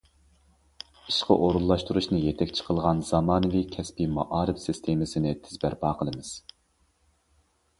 ئىشقا ئورۇنلاشتۇرۇشنى يېتەكچى قىلغان زامانىۋى كەسپىي مائارىپ سىستېمىسىنى تېز بەرپا قىلىمىز.